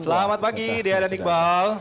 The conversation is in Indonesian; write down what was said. selamat pagi dea dan iqbal